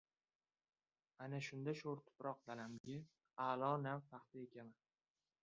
Ana shunda sho‘rtuproq dalamga a’lo nav paxta ekaman.